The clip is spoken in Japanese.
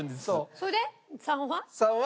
それで３は？